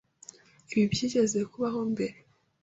Ibi byigeze kubaho mbere?